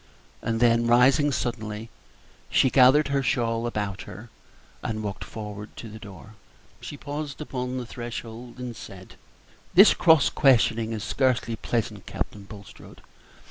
Then, rising suddenly, she gathered her shawl about her and walked toward the door. She paused upon the threshold and said, "This cross questioning is scarcely pleasant, Captain Bulstrode.